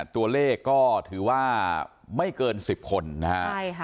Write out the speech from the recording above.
ตัวเลขก็ถือว่าไม่เกินสิบคนนะฮะใช่ค่ะ